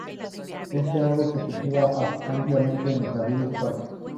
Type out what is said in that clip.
Este árbol se cultiva ampliamente en jardines y parques.